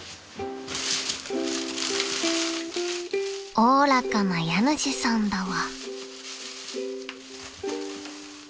［おおらかな家主さんだわ］